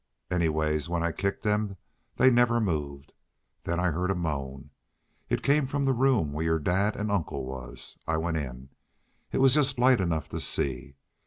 Anyways, when I kicked them they never moved. Then I heard a moan. It came from the room where your dad an' uncle was. I went in. It was just light enough to see.